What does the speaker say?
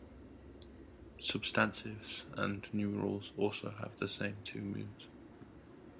Substantives and numerals also have the same two moods.